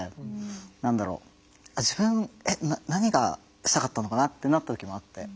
何だろう自分えっ何がしたかったのかなってなった時もあって。